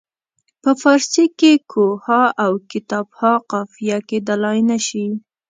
په فارسي کې کوه ها او کتاب ها قافیه کیدلای نه شي.